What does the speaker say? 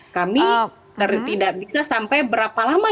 kami tertidak bisa sampai berapa lama dia itu